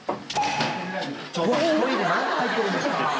ちょっと１人で何入ってるんですか！